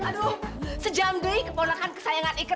aduh sejam deh kepolakan kesayangan ikut